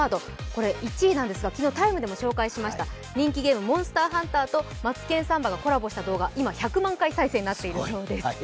これは１位なんですが、昨日、「ＴＩＭＥ，」でも紹介しました人気ゲーム「モンスターハンター」と「マツケンサンバ」がコラボした動画、今、１００万回再生になっているそうです。